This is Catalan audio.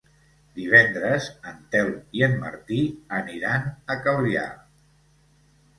Divendres en Telm i en Martí aniran a Calvià.